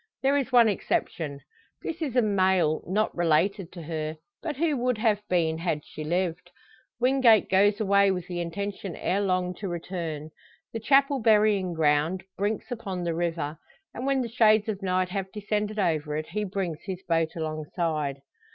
There is one exception; this is a mail not related to her, but who would have been had she lived. Wingate goes away with the intention ere long to return. The chapel burying ground brinks upon the river, and when the shades of night have descended over it, he brings his boat alongside.